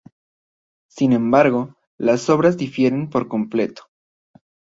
Sin embargo, las obras difieren por completo.